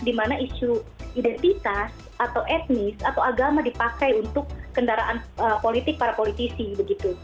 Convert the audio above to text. di mana isu identitas atau etnis atau agama dipakai untuk kendaraan politik para politisi